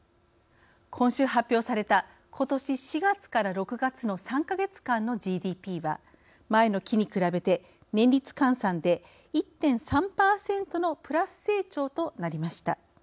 今週発表されたことし４月から６月の３か月間のＧＤＰは前の期に比べて年率換算で１．３％のプラス成長となりました。